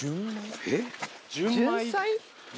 えっ？